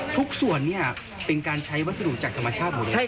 ทุกส่วนเนี่ยเป็นการใช้วัสดุจากธรรมชาติหมดเลย